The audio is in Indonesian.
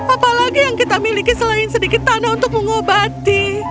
apalagi yang kita miliki selain sedikit tanah untuk mengobati